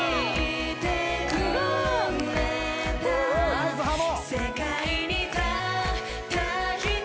・ナイスハモ！